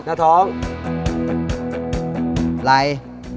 ไหล